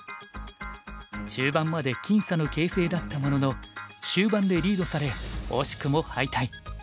中盤まで僅差の形勢だったものの終盤でリードされ惜しくも敗退。